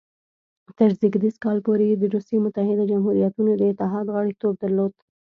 تر زېږدیز کال پورې یې د روسیې متحده جمهوریتونو د اتحاد غړیتوب درلود.